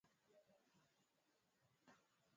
ya kubadili mienendo yao ya maisha Wakimbizi au au